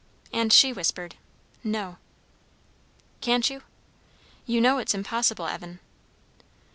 And she whispered, "No." "Can't you?" "You know it's impossible, Evan."